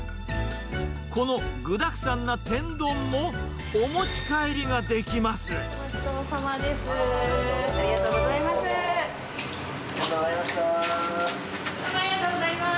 この具だくさんな天丼も、お持ちお待ちどおさまです。